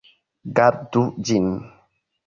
Gardu ĝin.